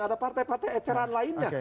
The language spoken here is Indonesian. ada partai partai eceran lainnya